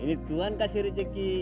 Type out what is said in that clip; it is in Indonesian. ini tuhan kasih rezeki